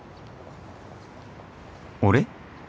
俺？